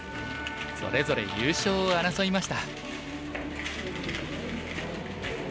それぞれ優勝を争いました。